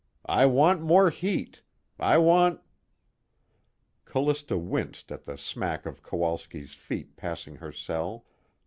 I want more heat, I want " Callista winced at the smack of Kowalski's feet passing her cell.